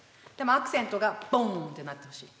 アクセントがボーンってなってほしい。